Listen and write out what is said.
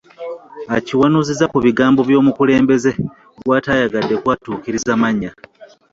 Akiwanuuzizza ku bigambo by'omukulembeze gw'atayagadde kwatuukiriza mannya